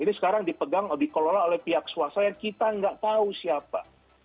ini sekarang dipegang dikelola oleh pihak swasta yang kita nggak tahu siapa